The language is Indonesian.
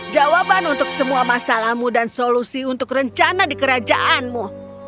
jawaban untuk semua masalahmu dan solusi untuk rencana di kerajaanmu